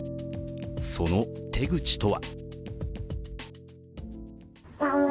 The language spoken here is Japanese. その手口とは？